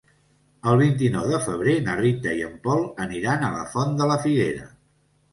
El vint-i-nou de febrer na Rita i en Pol aniran a la Font de la Figuera.